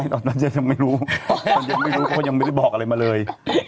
ตอนเย็นยังไม่รู้ยังไม่ได้บอกอะไรมาเลย